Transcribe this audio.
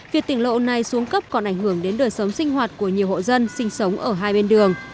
việc tỉnh lộ này xuống cấp còn ảnh hưởng đến đời sống sinh hoạt của nhiều hộ dân sinh sống ở hai bên đường